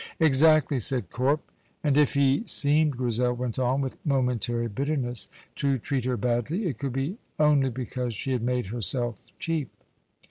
"Exac'ly," said Corp. And if he seemed, Grizel went on, with momentary bitterness, to treat her badly, it could be only because she had made herself cheap.